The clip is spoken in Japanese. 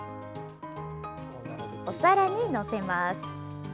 お皿に載せます。